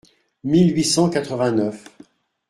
mille huit cent quatre-vingt-neuf.